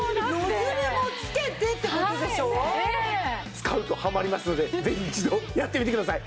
使うとハマりますのでぜひ一度やってみてください。